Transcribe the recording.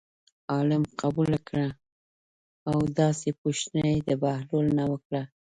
عالم قبول کړه او داسې پوښتنه یې د بهلول نه وکړه.